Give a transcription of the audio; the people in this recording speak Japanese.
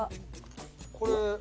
これ。